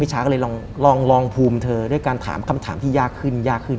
ชาก็เลยลองภูมิเธอด้วยการถามคำถามที่ยากขึ้นยากขึ้น